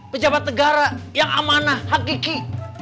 pejabat negara yang amanah hakiki